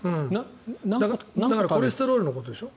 だからコレステロールのことでしょ？